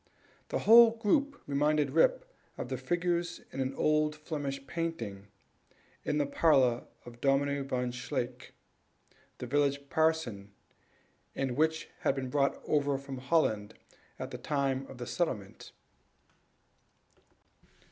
The whole group reminded Rip of the figures in an old Flemish painting in the parlor of Dominie Van Shaick, the village parson, which had been brought over from Holland at the time of the settlement.